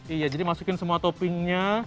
iya jadi masukin semua toppingnya